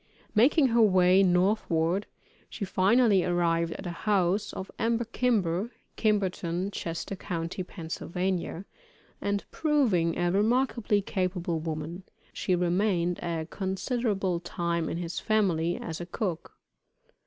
Making her way northward, she finally arrived at the house of Emmer Kimber, Kimberton, Chester county, Pa., and proving a remarkably capable woman, she remained a considerable time in his family, as a cook.